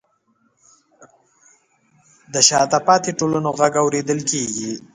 د شاته پاتې ټولنو غږ اورېدل کیږي.